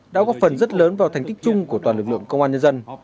đã góp phần rất lớn vào thành tích chung của toàn lực lượng công an nhân dân